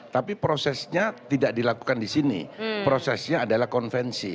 tapi prosesnya tidak dilakukan di sini prosesnya adalah konvensi